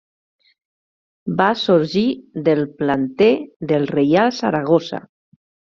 Va sorgir del planter del Reial Saragossa.